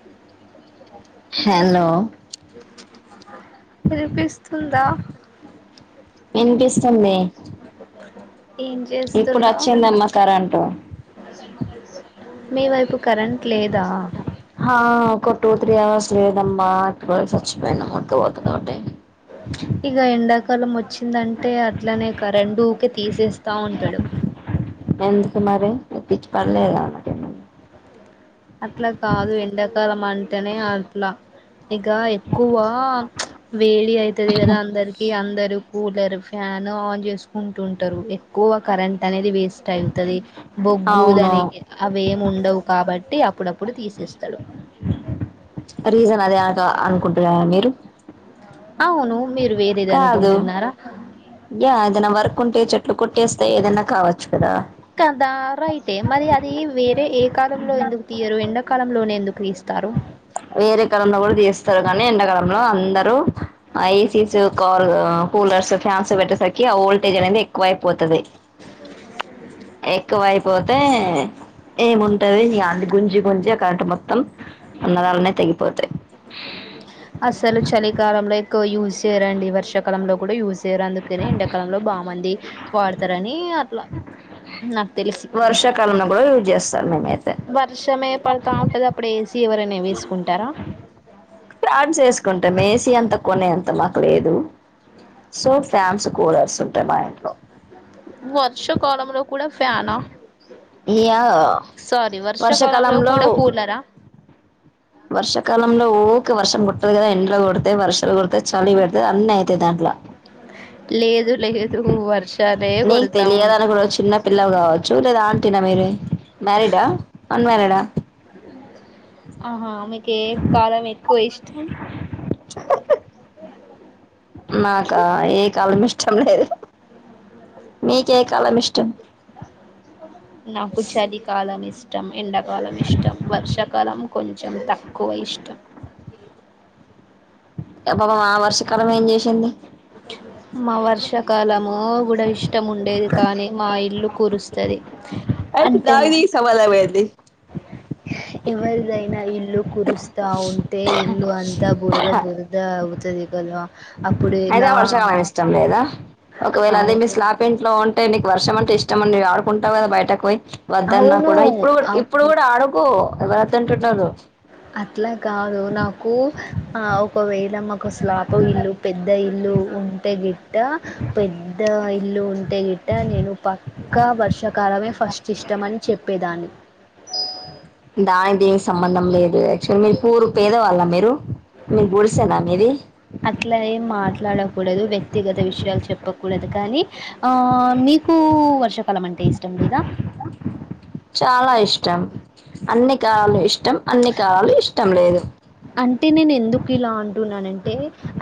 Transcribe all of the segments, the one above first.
అ hello వినిపిస్తుందా వినిపిస్తూ ది ఏం చేస్తున్నావు్ కరెంటు మీ వైపు కరెంట్ లేదా హ ఒక టూ త్రీ అవర్స్ లేదమ్మా ఇప్పుడ స్చ్చిపో ముకి పోతుంది ఒకటే ఇక ఎండాకాలం వచ్చిందంటే అట్లనే కరెం ఊకే తీసేస్తా ఉంటాడు ఎందుకు మరి ఎప్పి పళదాన్న అట్లా కాదు ఎండాకాలం అంటేనే అట్లా ఇక ఎక్కువ వేడి అయితది కదా అందరికి అందరు కూలర్ ఫ్యాన్ ఆన్ చేసుకుంటుంటారు ఎక్కువ కరెంట్ అనేది వేస్ట్ అవుతుది బొగ్గు అవును దానికి అవి ఏమి ఉండవు కాబట్టి అప్పుడప్పుడు తీసేస్తాడు రీజన్ అదే అక అనుకుంటున్న మీరు అవును మీరు వేరేది కాదు అనుకుంటున్నారా అదనా వర్క్ ఉంటే చెట్లు కొట్ పట్టేస్తే ఏదైనా కావచ్చు కదా కదా రైటే మరి అది వేరే ఏ కాలంలో ఎందుకు తీయరు ఎండాకాలంలోనే ఎందుకు అందుక్రస్తారు వేరే కాలంలో కూడా తీస్తారు కానీ ఎంకాలంలో అందరుూ ఆ ఏసీస్ కాల్ కూలర్స్ ఫ్యాన్స్ పెట్టేసరికి ఆ వోల్టేజ్ అనేది ఎక్కువ అయిపోతుది ఎ వైపు పోతే ఏముంటది న అంది గుంజి గుంజి అక్కంట మొత్తం తంగపోదు చేేరాడి వర్షకాలం కూడా యూస్యారు అందుకనే ఎండాకాలంలో బా మంది వాడతారని అట్లా వర్షాకాలన కూడా యజ్ చేస్తారు వర్షమ ఏే పడుతా ఉంటది అప్పుడు ఏసీ ఎవరైనా వేసుకుంటారా ఫాడ్స్ వేసుకుంటాం మేసిీ అంత కొనే అంత మాకు లేదు సో ఫ్యామ్స్ కూలర్స్ ఉంటాయి మా ఇంట్లో వర్షాకాలంలో కూడా ఫ్యానా ఇగ సారీ వర్షాకాలంలో కూడా కూలరా వర్షకాలంలో ఓరిే వర్షం కుట్టదు కదా ఇండ్లో కొడితే వర్షాలు కుడితే చలి పెడితే అన్ని అయితయి దాంట్లో అట్లా లేదు లేదు వర్ష నీకు తెలియదాని కూడా చిన్న పిల్లవ కావచ్చు లేదా ఆంటీ నా మీరే మ్యారిడ్ అన్ మ్యారిడా ఆహా మీకు కాలం ఎక్కువ ఇష్టం హహ నాకా ఏ కవాలం ఇష్టం లేదు మీక కాలం ఇష్టం నాకు చలి కాలని ఇష్టం ఇష్టం ఎండాకాలం ఇష్టం వర్షాకాలం కొంచెం తక్కువ ఇష్టం పాబ ఆ వర్షకాలం ఏం చేసింది మో కూడా ఇష్టం ఉండేది కానీ మా ఇల్లు కురుస్తుంది ఆయితే నాా నీ సవాాలవ అది ఎవరిదైనా ఇల్లు కురుస్తా ఉంటే ఇల్లు అ ద్ద బురుద బురుద ఉఊతుదిగలు అయితే వర్షకమైన ఇష్టం లేదా ఒకవేళ అదే మీ అవును స్లాప్ ఇంట్లో ఉ అంటేీ వర్షం అంటే ఇష్టమండి ఆడుకుంటావు కా బయటకు పోయి వద్దన్నా అవును కూడా ఇప్పుడు కూడా ఇప్పుడు అవును కూడా ఆడుకో ఎవరైతే అంటున్నారు అట్లా కాదు నాకు ఆ ఒకవేళ మాకు శ్లాప ఇల్లు పెద్ద ఇల్లు ఉంటే గిట్ట పెద్ద ఇల్లు ఉంటే గిట్ట నేను పక్కా వర్షాకాల మమే ఫస్ట్ ఇష్టం అని చెప్పేదాన్ని దానికి దేనికి సంబంధం లేదు యాక్చువ మీరు కూరు పేదే వాళ్ళం మీరు మీరు గలిసేనా మీది అట్లా ఏం మాట్లాడకూడదు వ్యక్తిగత విషయాలు చెప్పకూడదు కానీ ఆ మీకు వర్షాకాలం అంటే ఇష్టం లేదా చాలా ఇష్టం అన్ని కాలాలు ఇష్టం అంటే నేను ఎందుకు ఇలా అంటున్నాను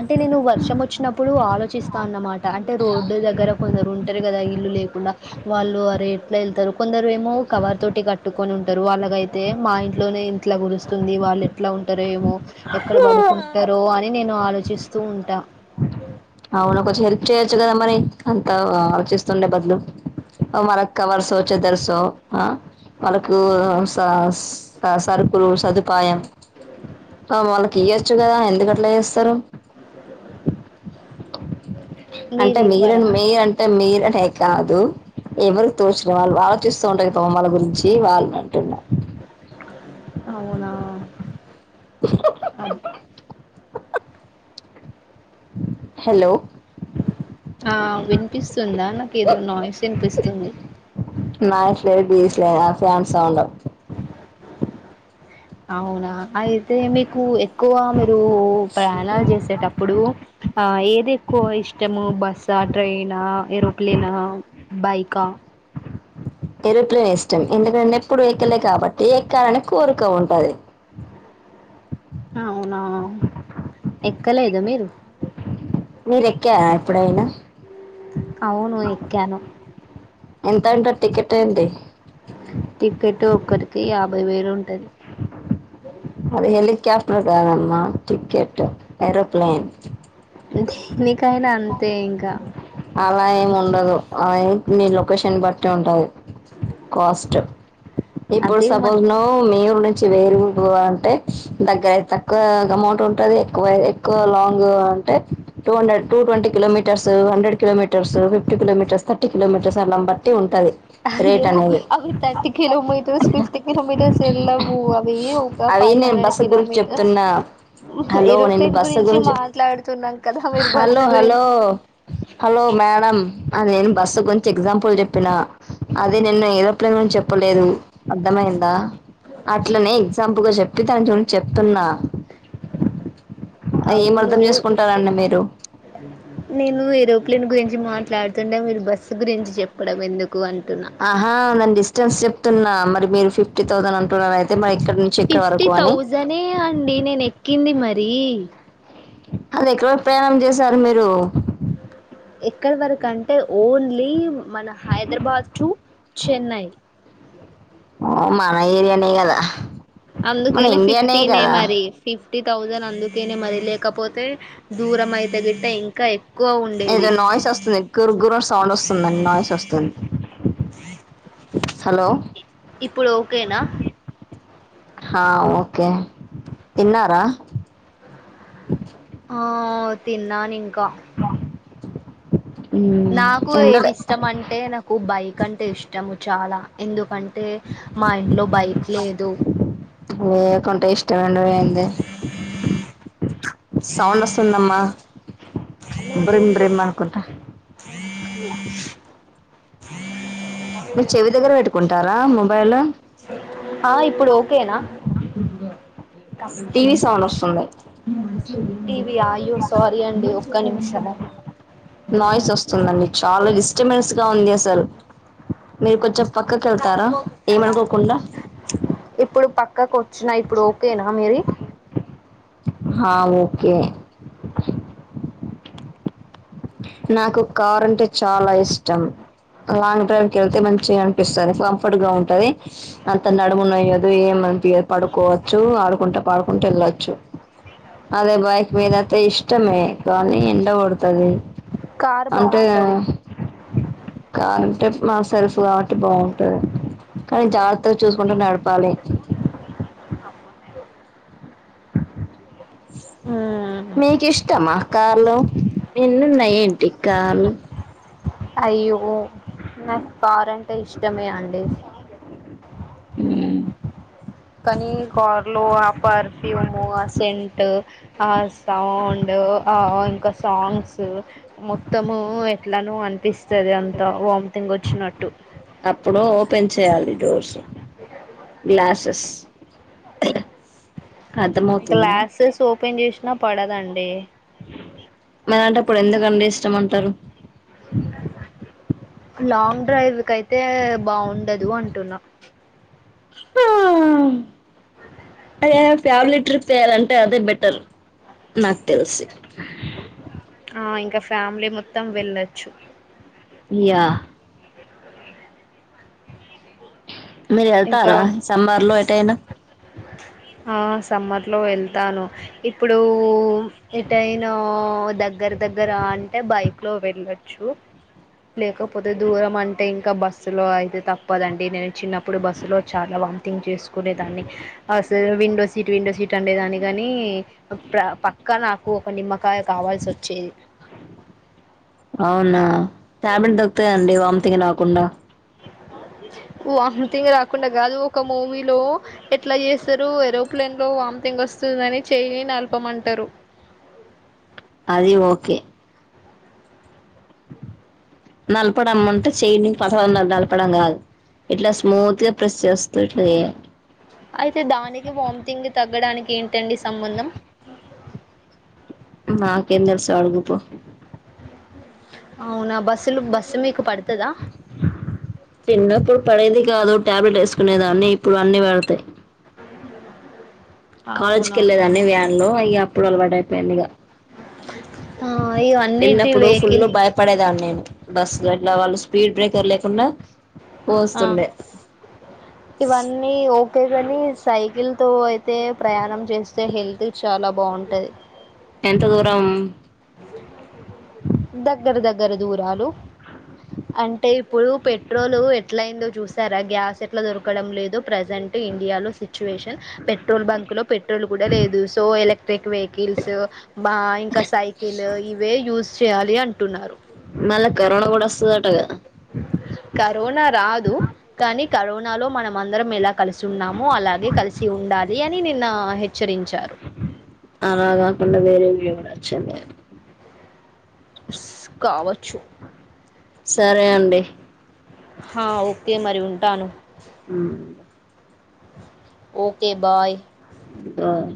అంటే నేను వర్షం వచ్చినప్పుడు ఆలోచిస్తా అన్నమాట అంటే రోడ్డు దగ్గర కొందరు ఉంటారు కదా ఇల్లు లేకుండా వాళ్ళు అ రే ఎట్లా ఏళ్తారు కొందరు ఏమో కవర్ తోటి కట్టుకొని ఉంటారు వాళ్ళగయితే మా ఇంట్లోనే ఇంట్లా గురుస్తుంది వాళ్ళు ఎట్లా ఉంట ఉంటారేమో ఎక్కడ ఆ పడుకుంటారో అని నేను ఆలోచిస్తూ ఉండ వచ్చు కదా మరి అంత ఆలోచిస్తుండే బదులు అ మనక్కవాల్సి సోచ్చేది తెల్సు ఆ వాళ్ళకు సరుకులు సదుపాయం ఆ మనకి ఇయొచ్చు కదా ఎందుకట్లా చేస్తారు అంటే మీరు ఇవ్వరా? మీరని అంటే మీరనే కాదు ఎవరు తోచి ఇగ వాళ్ళు ఆలోచిస్తూ ఉంటే ఇగ వాళ్ళ గురించి వాళ్ళు అంటున్నారు అవునా అది హాలో ఆ వినిపిస్తుందా నాకు ఏదో నాయిస్ వినిపిస్తుంది నా ఫ్లేట్ తీసలే ఫ్యాన్ సౌండ్ అవునా అయితే మీకు ఎక్కువ మీరు ప్రయాణాలు చేసేటప్పుడు ఆ ఏది ఎక్కువ ఇష్టము బస్సా, ట్రైనా, ఏరోప్లేనా, బైకా ఎరోప్లేన్ ఇష్టం ఎందుకంటే ఎప్పుడు ఎక్కలే కాబట్టి ఎక్కాలని కోరిక ఉంటది అవునా ఎక్కలేదా మీరు మీరు ఎక్కరా ఎప్పుడైనా అవును ఎక్కాను ఎంత అంటారు టికెట్ ఏంటి టిక్కెట్ ఒక్కరికి యాభై వేలు ఉంటది అది హెలికాప్టర్ కాదమ్మా టికెట్ ఏరోప్లేన్ దేనికైనా అంతే ఇంకా అలా ఏమి ఉండదు అ మీ లొకేషన్ బట్టి ఉంటది కాస్ట్ ఇప్పుడు అదే మన సపోజ్ ఇక్కడ నుంచి వేరుగా పోవాలంటే దగ్గరయితే తక్కువ అమౌంట్ ఉంటది లాంగ్ అయితే ఎక్కువ అమౌంట్ ఉంటది అంటే two hundred two twenty kilometres hundred kilometres fifty kilometres kilometres బట్టి ఉంటది అయ్యో అవి థర్టీ కిలోమీటర్స్, ఫిఫ్టీ కిలోమీటర్స్ ఎల్లాము అవి ఇంకా అవి ఫైవ్ నేను హండ్రెడ్ బస్సు గురించి కిలోమీటర్స్ చెప్తున్నా హలో నేను ఏరోప్లేన్ బస్సు గురించి మాట్లాడుతున్నాం కదా మీరు బస్ గురించి ఓ మేడం అ నేను బస్సు గురించి ఎగ్జాంపుల్ చెప్పిన అది నిన్న ఏదో ను గురించి చెప్పలేదు అర్థమైందా అట్లనే ఎగ్జాంపుల్ గా చెప్ప దాని గురించి చెప్తున్నా ఏం అవును అర్థం చేసుకుంటారండి మీరు నేను ఏరో ప్లేన్ గురించి మాట్లాడుతుండే మీరు బస్సు గురించి చెప్పడం ఎందుకు అంటున్నా ఆహా నేను డిస్టెన్స్ చెప్తున్నా మరి మీరు ఫిఫ్టీ థౌసండ్ అంటున్నారు అయితే మరి ఇక్కడ నుంచి ఇక్కడ ఫిఫ్టీ వరకు అని థౌజండే అండి నేను ఎక్కింది మరి అది ఎక్కడి వరకు ప్రయాణం చేసారు మీరు లేదు మన హైదరాబాద్ టు చెన్నై ఓ మన ఏరియానే గదా అందుకనే ఫిఫ్టీనేే మరి ఫిఫ్టీ థౌజండ్ అందుకనే మరి లేకపోతే దూరం అయితే గిడ్డ ఇంకా ఎక్కువ ఏదో ఉండేది నాయిస్ వస్తుంది గురు గుర సౌండ్ వస్తుందండి నాయిస్ వస్తుంది హలో ఇప్పుడు ఓకే నా హా ఓకే తిన్నారా ఆ తిన్నాను ఇంకా మ్మ్ నాకు ఏది ఎండలే ఇష్టం అంటే నాకు బైక్ అంటే ఇష్టము చాలా ఎందుకన్ టే మా ఇంట్లో బైక్ లేదు నే కంటే ఇస్ట్ రొండు వేలుది సౌండ్ వస్తుందమ్మా బ్రిమ్ బ్రిమ్ అనుకుంటా ద మీ చెవి దగ్గర పెట్టుకుంటారా మొబైల్ ఆ ఇప్పుడు ఓకేనా టీవీ సౌండ్ వస్తుంది టీ వీ ఆ అయ్యో సారీ అండి ఒక్క నిమిషము నాయిస్ వస్తుందండి చాలా డిస్టబెన్స్ గా ఉంది అసలు మీరు కొంచెం పక్కకి వెళ్తారా ఏమనుకోకుండా క్క కు వచ్చిన ఇప్పుడు ఓకేనా మీది కే నాకు కార్ అంటే చాలా ఇష్టం లాంగ్ డ్రైవ్ వెళ్తే మంచిగా ఉన్ పిస్తది కంఫర్ట్ గా ఉంటది అంత నడుము నయ్యదు ఏం నా య్యదు పడుకోవచ్చు ఆడుకుంటే పాడుకుంటే వెళ్ చ్చు అదే బైక్ మీదంత ఇష్టమే కానీ ఎండ కొడతది కారు బాగుంటది కారుంటే మా సరుఫ కాబట్టి బాగుంటది కానీ జాగ్రత్తగా చూసుకుంటూ నడపాలి బ మ్మ్ మీకు ఇష్టం ఆ కార్లు ఎన్నున్నాయ్ ఏంటి కాళ్లు అయ్యో నాకు కారంటే ఇష్టమే అండి మ్మ్ కానీ కార్లు ఆ పర్ఫ్యూము ఆ సెంట్ ఆ సౌండ్ ఆ ఇంకా సాంగ్స్ స్ మొత్తము ఎట్లానో అనిపిస్తది అంత వామిటింగ్ వచ్చినట్టు అప్పుడు ఓపెన్ చేయాలి డోర్స్ గ్లాసెస్ అర్థంమవుతుందా పెన్ చేసినా పడదండి మరంటప్పుడు ఎందుకండి ఇష్టమంటారు లాంగ్ డ్రైవ్కు అయితే బాగుండదు అంటున్నా ఆ ఏ ఫ్యామిలీ ట్రిప్ ఎయ్యాలంటే అదే బెటర్ నాకు తెలిసి ఆ ఇంకా ఫ్యామిలీ మొత్తం వెళ్ళొచ్చు ఇగ మీరు ఇంకా వెళ్తారా సమ్మర్లో ఎటైనా ఆ సమ్మర్లో వెళ్తాను ఇప్పుడు ఎటైనా లో దగ్గర దగ్గర అంటే బైక్ లో వెళ్ళొచ్చు లేకపోతే దూరం అంటే ఇంకా బస్సు లో అయితే తప్పదండి నేను చిన్నప్పుడు బస్సు లో చాలా వంతింగ్ చేసుకునే దాన్ని అస్సల్ విండో సీట్ విండో సీట్ అండే దాన్ని కాని ప్ర పక్కా నాకు ఒక నిమ్మకాయ కావ వాయిస్ వచ్చేది. అవునా ట్యాబ్లెట్ దొక్కుతాయండి వామిథీంగ్ రాకుండా. వామ్థంగ్ రాకుండా కాదు ఒక మూవీలో ఎట్లా చేస్తారు ఏరోప్లేన్ లో వామ్. వాంతిం కొస్తుందని చేయి నలపమంటారు. అది ఓకే. నలపడంమంటే చెయ్యిని పతన్నాలు నలపడం కాదు. ఇట్లా స్మూత్గా ప్రెస్ చేస్తారే. అయితే దానికి వామిటింగ్ తగ్గడానికి ఏంటండి సంబంధం. మాకేం తెలుసు అడుగూపో. అవునా బస్సులు బస్సు మీకు పడుతు. చిన్నప్పుడు పడేది. కాదు టాబ్లెట్ వేసుకునేదాన్ని ఇప్పుడు అన్ని పెడతాయి. కాలేజ్కి అవునవును వెళ్ళలేదాన్ని వ్యాన్ లో అయ్య అప్పుడు అలవాటు అయిపోయింది ఇక. ఆ ఇవన్నిటి చిన్నప్పుడు ఫుల్ వెహికల్ భయపడేదాన్ని నేను బస్సు ఎట్లా వాళ్ళ. స్పీడ్ బ్రేకర్ లేకుండా. ఆహ్ పోస్తుండే ఇవన్నీ ఓకేగాని సైకిల్ తో అయితే. ప్రయాణం చేస్తే హెల్త్ చాలా బాగుంటది. ఎంత దూరం. దగ్గర దగ్గర దూరాలు. అంటే ఇప్పుడు పెట్రోల్ ఎట్లా అయిందో చూసారా గ్యాస్ ఎట్లా దొరకడం లేదు. ప్రజెంట్ ఇండియాలో సిచ్యువేషన్ పెట్రోల్ బంక్ లో పెట్రోల్ కూడా లేదు సో ఎలక్ట్రిక్ వెహికల్. రిల్స్ బ ఇంకా సైకిల్ ఇవే యూజ్ చేయాలి అంటున్నారు. మళ్ళ కరోనా కూడా వస్. కరోనా రాదు కానీ. కరోనా లో మనం అందరం ఎలా కలిసి ఉన్నాము అలాగే కలిసి ఉండాలి అని నిన్న హె. అలాగా కాకుండా వేరెవి కూడాచేయొచ్చండి. స్ కావచ్చు. సరే అండి. ఆహ్ ఓకే మరి ఉంటాను. ఉమ్. Okay bye. ఆహ్.